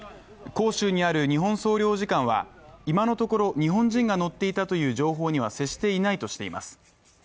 広州にある日本総領事館は今のところ日本人が乗っていたという情報には接していないとしています。